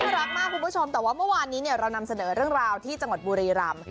รักมากคุณผู้ชมแต่ว่าเมื่อวานนี้เรานำเสนอเรื่องราวที่จังหวัดบุรีรำ